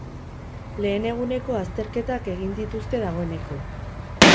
Lehen eguneko azterketak egin dituzte dagoeneko.